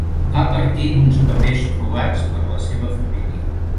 Va partir d'uns papers trobats per la seva família.